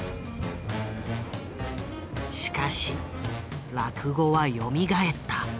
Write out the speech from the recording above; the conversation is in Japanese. しかし落語はよみがえった。